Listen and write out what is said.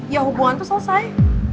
ya hubungan tuh selesai